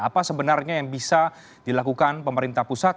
apa sebenarnya yang bisa dilakukan pemerintah pusat